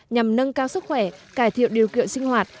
nhằm nâng cao sức khỏe cải thiện điều kiện sinh hoạt